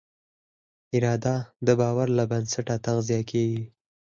اراده د باور له بنسټه تغذیه کېږي.